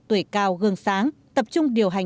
tuổi cao gương sáng tập trung điều hành